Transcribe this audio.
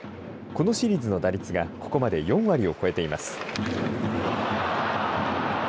このシリーズの打率がここまで４割を超えています。